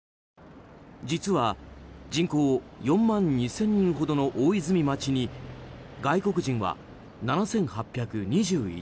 実は人口４万２０００人ほどの大泉町に外国人は７８２１人。